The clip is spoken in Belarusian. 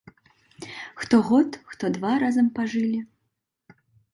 Хто год, хто два разам пажылі.